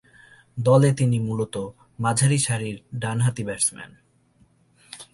দলে তিনি মূলতঃ মাঝারি সারির ডানহাতি ব্যাটসম্যান।